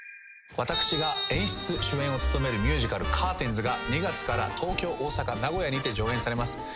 私が演出主演を務めるミュージカル『カーテンズ』が２月から東京大阪名古屋にて上演されます。